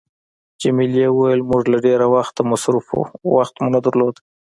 جميلې وويل: موږ له ډېره وخته مصروفه وو، وخت مو نه درلود.